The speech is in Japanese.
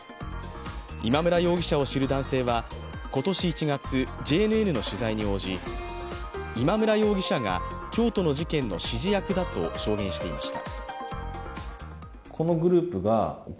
今村容疑者を知る男性は今年１月、ＪＮＮの取材に応じ今村容疑者が京都の事件の指示役だと証言していました。